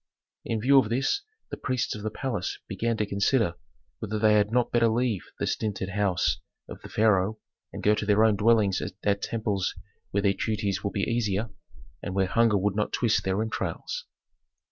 In view of this, the priests of the palace began to consider whether they had not better leave the stinted house of the pharaoh and go to their own dwellings at temples where their duties would be easier, and where hunger would not twist their entrails.